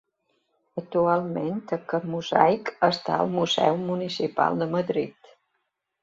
Actualment aquest mosaic està al Museu Municipal de Madrid.